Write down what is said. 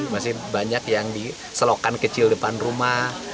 masih banyak yang di selokan kecil depan rumah